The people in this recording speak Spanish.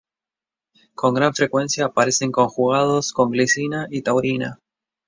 Con gran frecuencia aparecen conjugados con glicina y taurina.